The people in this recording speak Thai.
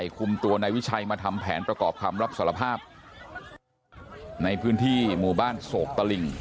คุมตัวนายวิชัยมาทำแผนประกอบคำรับสารภาพในพื้นที่หมู่บ้านโศกตะลิง